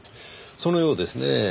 そのようですねぇ。